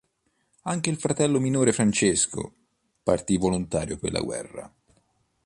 Anche il fratello minore Francesco, partì volontario per la guerra.